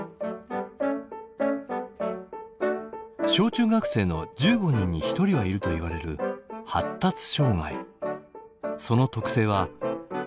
小中学生の１５人に１人はいるといわれる発達障害。